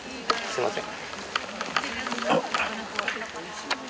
すみません。